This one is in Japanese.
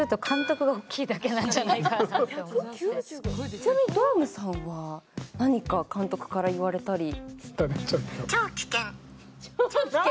だけどちなみにドラムさんは何か監督から言われたりは？